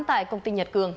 tại công ty nhật cường